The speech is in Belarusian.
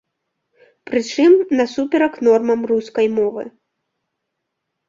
Прычым, насуперак нормам рускай мовы.